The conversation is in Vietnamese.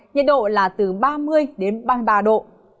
nhiệt độ là từ ba mươi đến ba mươi ba độ